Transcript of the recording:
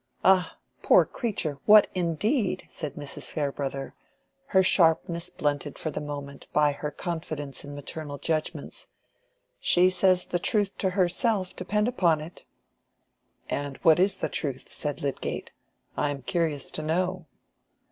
"Ah, poor creature! what indeed?" said Mrs. Farebrother, her sharpness blunted for the moment by her confidence in maternal judgments. "She says the truth to herself, depend upon it." "And what is the truth?" said Lydgate. "I am curious to know."